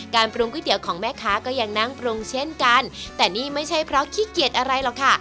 ปรุงก๋วยเตี๋ยวของแม่ค้าก็ยังนั่งปรุงเช่นกันแต่นี่ไม่ใช่เพราะขี้เกียจอะไรหรอกค่ะ